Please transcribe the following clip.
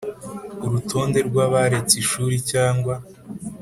Urutonde rw abaretse ishuri cyangwa